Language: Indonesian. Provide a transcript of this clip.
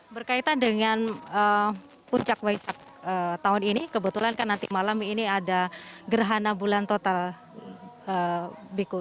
berkaitan dengan puncak waisak tahun ini kebetulan kan nanti malam ini ada gerhana bulan total biku